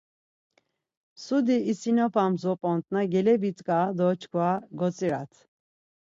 Mtsudi isinapam zop̌ont na gelebitzǩa do çkva gotzirat.